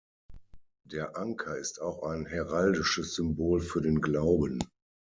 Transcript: Der Anker ist auch ein heraldisches Symbol für den Glauben.